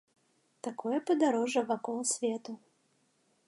Такое падарожжа вакол свету.